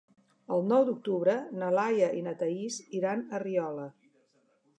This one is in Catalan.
El nou d'octubre na Laia i na Thaís iran a Riola.